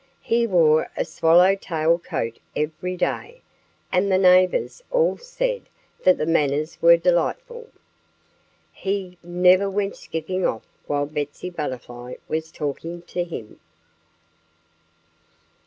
He wore a swallowtail coat every day. And the neighbors all said that his manners were delightful. He never went skipping off while Betsy Butterfly was talking to him.